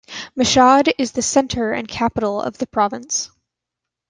Mashhad is the center and capital of the province.